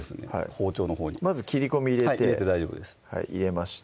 包丁のほうにまず切り込み入れて入れて大丈夫です入れました